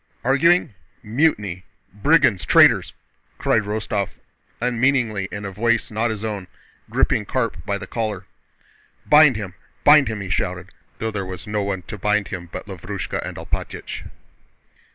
"Arguing? Mutiny!... Brigands! Traitors!" cried Rostóv unmeaningly in a voice not his own, gripping Karp by the collar. "Bind him, bind him!" he shouted, though there was no one to bind him but Lavrúshka and Alpátych.